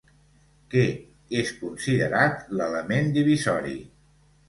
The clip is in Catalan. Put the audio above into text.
Què és considerat l'element divisori?